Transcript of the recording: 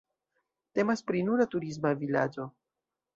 Temas pri nura turisma vilaĝo.